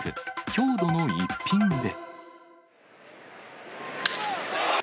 郷土の逸品で。